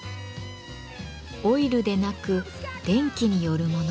オイルでなく電気によるもの。